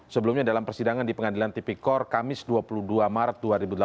sebelumnya dalam persidangan di pengadilan tipikor kamis dua puluh dua maret dua ribu delapan belas